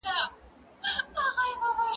زه به اوږده موده موټر کار کړی وم!؟